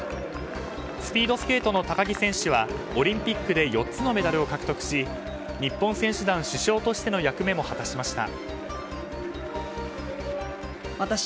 スピードスケートの高木選手はオリンピックで４つのメダルを獲得し日本選手団主将としての役目も果たしました。